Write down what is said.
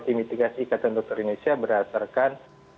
tim mitigasi ikatan dokter indonesia berdasarkan